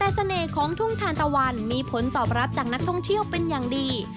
แต่เสน่ห์ของทุ่งทานตะวันมีผลตอบรับจากนักท่องเที่ยวเป็นอย่างดี